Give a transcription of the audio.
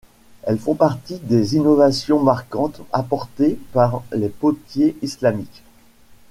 Elles font partie des innovations marquantes apportées par les potiers islamiques.